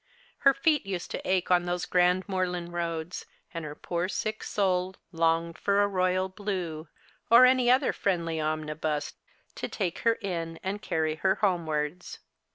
Her feet used to ache on those grand moorland roads, and her poor sick soul long for a Royal Blue, or any other friendly omnibus, to take her in and carry her homewards'.